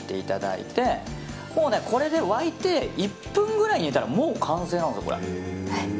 これで沸いて１分くらい煮たらもう完成なんですよ。